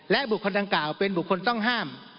บุคคลดังกล่าวเป็นบุคคลต้องห้าม